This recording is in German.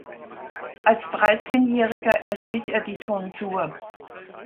Als Dreizehnjähriger erhielt er die Tonsur.